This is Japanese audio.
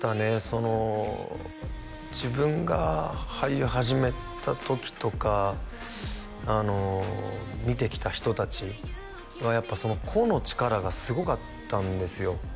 その自分が俳優始めた時とか見てきた人達はやっぱ個の力がすごかったんですよ